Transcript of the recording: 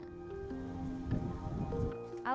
sorghum sangat berpotensi dikembangkan